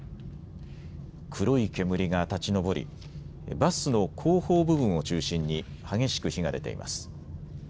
黒い煙が立ち上りバスの後方部分を中心に激しく火が出ています。